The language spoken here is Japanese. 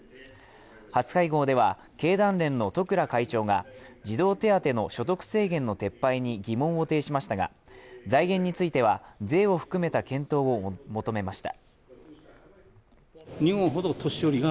初会合では、経団連の十倉会長が児童手当の所得制限の撤廃に疑問を呈しましたが財源については税を含めて検討を求めました。